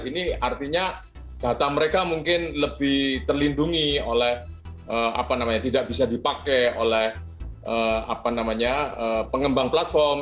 ini artinya data mereka mungkin lebih terlindungi oleh apa namanya tidak bisa dipakai oleh pengembang platform